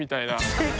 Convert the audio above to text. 正解！